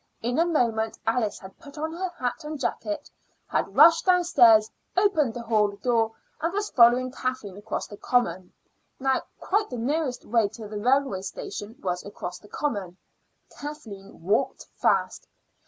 In a moment Alice had put on her hat and jacket, had rushed downstairs, opened the hall door, and was following Kathleen across the common. Now, quite the nearest way to the railway station was across the common. Kathleen walked fast.